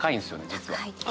実は。